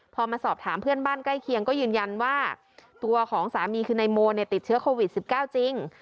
พอมาสอบถามเพื่อนบ้านใกล้เคียงก็ยืนยันว่าตัวของสามีคือนายโมเนี่ยติดเชื้อโควิด๑๙จริง